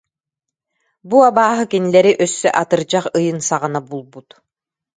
Бу «абааһы» кинилэри өссө атырдьах ыйын саҕана булбут